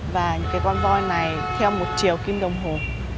và những cái con voi này theo một chiều kim đồng hồ